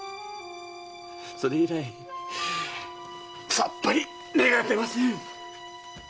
それ以来さっぱり目が出ません。